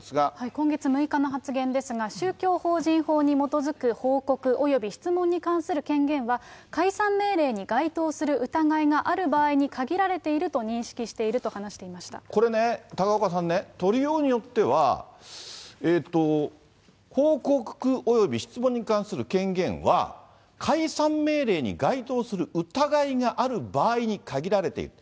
今月６日の発言ですが、宗教法人法に基づく報告及び質問に関する権限は、解散命令に該当する疑いがある場合に限られていると認識しているこれね、高岡さんね、取りようによっては、報告および質問に関する権限は、解散命令に該当する疑いがある場合に限られている。